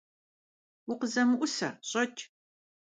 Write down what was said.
УкъызэмыӀусэ! ЩӀэкӀ!